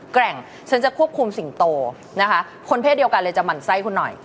แกร่งฉันจะควบคุมสิงโตนะคะคนเพศเดียวกันเลยจะหมั่นไส้คุณหน่อย